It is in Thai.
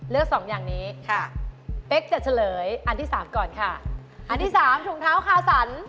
เลือก๒อย่างนี้เป๊กจะเฉลยอันที่๓ก่อนค่ะอันที่๓ถุงเท้าคาสัน